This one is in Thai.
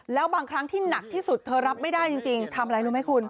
แล้วบางครั้งที่หนักที่สุดเธอรับไม่ได้จริงทำอะไรรู้ไหมคุณ